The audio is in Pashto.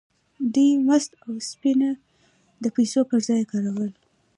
دوی مس او اوسپنه د پیسو پر ځای کارول.